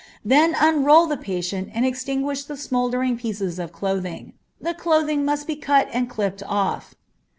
Then unroll the patient and extinguish the smouldering pieces of clothing. The clothing must be cut and clipped off.